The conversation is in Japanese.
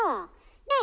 ねえ？